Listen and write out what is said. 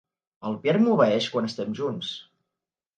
El Pierre m'obeeix quan estem junts.